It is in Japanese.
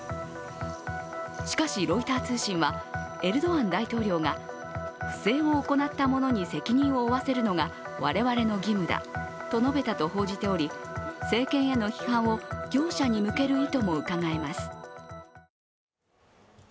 しかし、ロイター通信はエルドアン大統領が不正を行った者に責任を負わせるのが我々の義務だと述べたと報じており、政権への批判を業者に向ける意図もうかがえます。